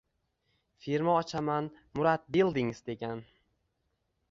- Firma ochaman, "Murad bildingiz" degan...